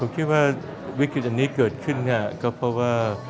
ผมคิดว่าวิกฤติอันนี้เกิดขึ้นก็เพราะว่า